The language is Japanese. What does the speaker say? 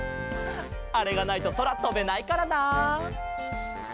あれがないとそらとべないからな。